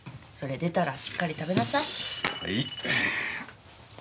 それ出たらしっかり食べなさい。